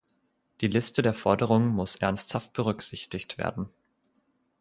Die Liste der Forderungen muss ernsthaft berücksichtigt werden.